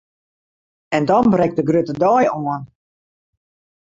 En dan brekt de grutte dei oan!